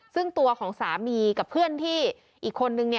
ซึ่งตัวของสามีกับเพื่อนที่อีกคนนึง